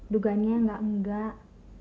dugannya gak enggak